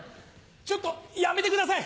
ちょっとやめてください！